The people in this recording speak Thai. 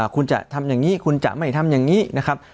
คุณจะทำอย่างนี้คุณจะไม่ทำอย่างนี้นะครับ